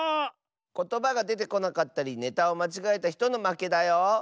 ことばがでてこなかったりネタをまちがえたひとのまけだよ！